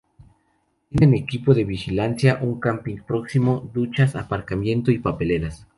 Tienen equipo de vigilancia, un camping próximo, duchas, aparcamiento y papeleras.